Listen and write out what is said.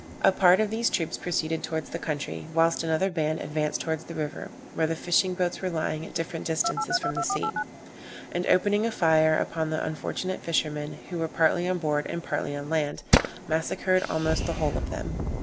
A part of these troops proceeded towards the country, whilst another band advanced towards the river, where the fishing boats were lying at different distances from the sea; and opening a fire upon the unfortunate fishermen, who were partly on board and partly on land, massacred almost the whole of them.